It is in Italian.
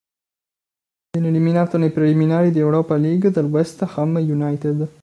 Viene eliminato nei preliminari di Europa League dal West Ham United.